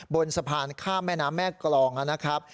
บนสะพานข้ามแม่น้ำแม่กรองนะครับ